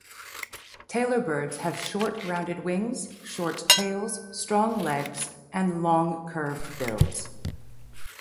Tailorbirds have short rounded wings, short tails, strong legs and long curved bills.